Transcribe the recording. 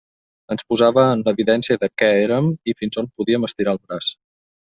Ens posava en l'evidència de què érem i fins on podíem estirar el braç.